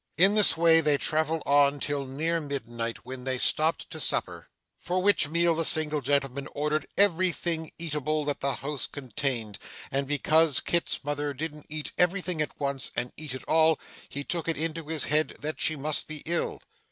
In this way they travelled on until near midnight, when they stopped to supper, for which meal the single gentleman ordered everything eatable that the house contained; and because Kit's mother didn't eat everything at once, and eat it all, he took it into his head that she must be ill.